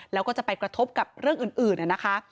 แล้วก็จะไปกระทบกับเรื่องอื่นนะคะ